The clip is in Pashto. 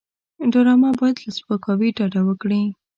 ډرامه باید له سپکاوي ډډه وکړي